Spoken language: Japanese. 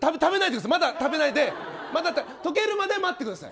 だからまだ食べないで溶けるまで待ってください。